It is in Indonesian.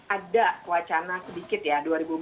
ada wacana sedikit ya